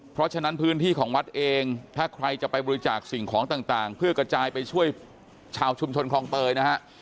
เพราะฉะนั้นพื้นที่ของวัดเองถ้าใครจะไปบริจาคสิ่งของต่างเพื่อกระจายไปช่วยชาวชุมชนคลองเตยนะฮะ